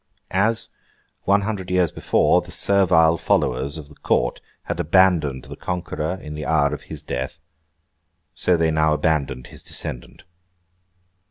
As, one hundred years before, the servile followers of the Court had abandoned the Conqueror in the hour of his death, so they now abandoned his descendant.